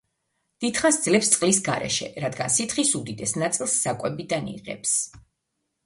დიდხანს ძლებს წყლის გარეშე, რადგან სითხის უდიდეს ნაწილს საკვებიდან იღებს.